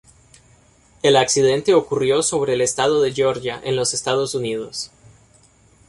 El accidente ocurrió sobre el estado de Georgia en los Estados Unidos.